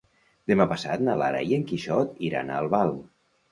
Demà passat na Lara i en Quixot iran a Albal.